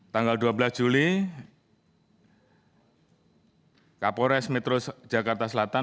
tanggal dua belas juli kapolres metro jakarta selatan